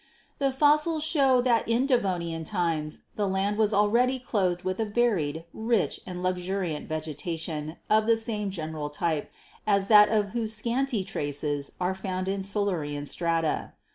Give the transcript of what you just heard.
"The fossils show that in Devonian times the land was already clothed with a varied, rich and luxuriant vegeta tion of the same general type as that whose scanty traces are found in Silurian strata.